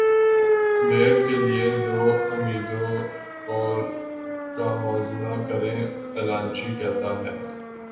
mayor کے لیے دو امیدواروں کا موازنہ کریں اعلانچی کہتا ہے